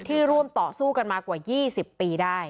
ร่วมต่อสู้กันมากว่า๒๐ปีได้